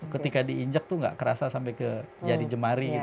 ketika diinjek tuh nggak kerasa sampai ke